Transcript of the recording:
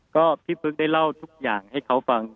ก็พี่ปุ๊กได้เล่าทุกอย่างให้เขาฟัง